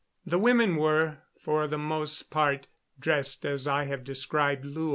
The women were, for the most part, dressed as I have described Lua.